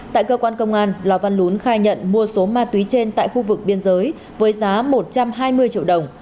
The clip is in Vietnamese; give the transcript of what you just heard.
tại cơ quan công an lò văn lún khai nhận mua số ma túy trên tại khu vực biên giới với giá một trăm hai mươi triệu đồng